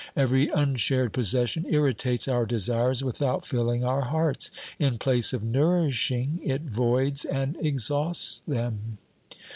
Every unshared possession irritates our desires without filling our hearts ; in place of nourishing, it voids and exhausts them.